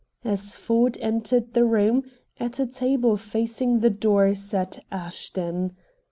As Ford entered the room, at a table facing the door sat Ashton.